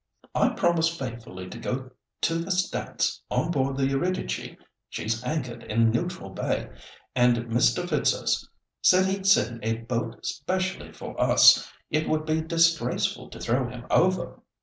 I promised faithfully to go to this dance on board the Eurydice; she's anchored in Neutral Bay, and Mr. Fitzurse said he'd send a boat specially for us. It would be disgraceful to throw him over."